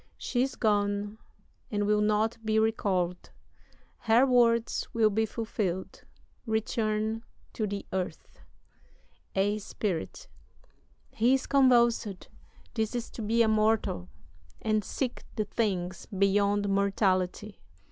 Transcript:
She's gone, and will not be recall'd; Her words will be fulfill'd. Return to the earth. "A SPIRIT. He is convulsed. This is to be a mortal, And seek the things beyond mortality."